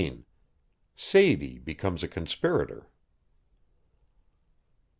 SADIE BECOMES A CONSPIRATOR.